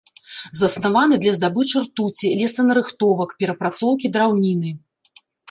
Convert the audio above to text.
Заснаваны для здабычы ртуці, лесанарыхтовак, перапрацоўкі драўніны.